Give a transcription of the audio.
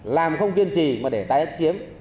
làm không kiên trì mà để tái áp chiếm